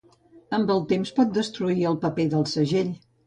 Amb el temps pot destruir el paper del segell.